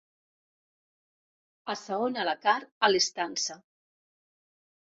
Assaona la carn a l'estança.